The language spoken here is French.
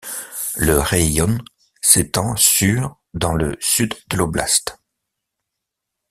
Le raïon s'étend sur dans le sud de l'oblast.